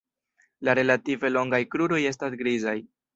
La relative longaj kruroj estas grizaj.